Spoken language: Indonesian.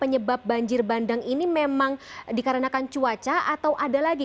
yang ini memang dikarenakan cuaca atau ada lagi